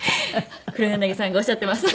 黒柳さんがおっしゃっています。